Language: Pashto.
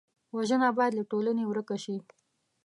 وژنه باید له ټولنې ورک شي